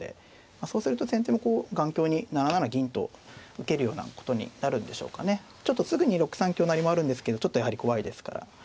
そうすると先手もこう頑強に７七銀と受けるようなことになるんでしょうかね。すぐに６三香成もあるんですけどちょっとやはり怖いですから。